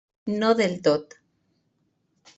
No del tot.